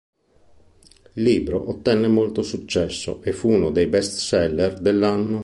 Il libro ottenne molto successo e fu uno dei best seller dell'anno.